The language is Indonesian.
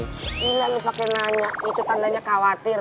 gila lo pake nanya itu tandanya khawatir